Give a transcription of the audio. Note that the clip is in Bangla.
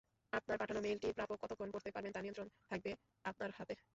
আপনার পাঠানো মেইলটি প্রাপক কতক্ষণ পড়তে পারবেন তার নিয়ন্ত্রণ থাকবে আপনার হাতে।